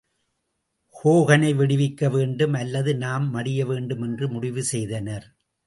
ஹோகனை விடுவிக்க வேண்டும், அல்லது நாம் மடிய வேண்டும் என்று முடிவு செய்தனர்.